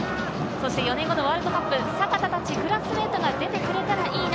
４年後のワールドカップ、阪田たちクラスメートが出てくれたらいいな。